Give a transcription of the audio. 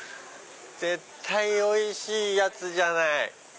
絶対おいしいやつじゃない。